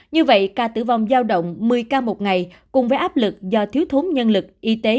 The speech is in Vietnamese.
như vậy ca tử vong giao động một mươi ca một ngày cùng với áp lực do thiếu thốn nhân lực y tế